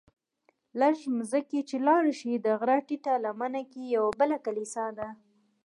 لږ مخکې چې لاړ شې د غره ټیټه لمنه کې یوه بله کلیسا ده.